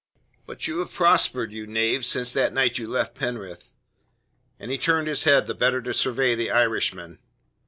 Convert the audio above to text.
But you have prospered, you knave, since that night you left Penrith." And he turned his head the better to survey the Irishman.